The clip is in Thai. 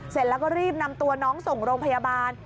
เสร็จแล้วก็รีบนำตัวน้องส่งโรงพยาบาล